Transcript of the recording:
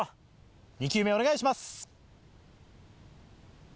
２球目お願いします。